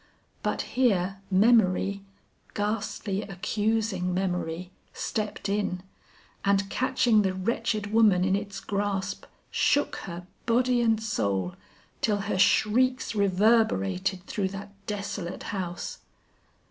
But here memory, ghastly accusing memory, stepped in, and catching the wretched woman in its grasp, shook her, body and soul, till her shrieks reverberated through that desolate house.